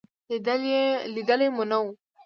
لېدلې مو نه وه.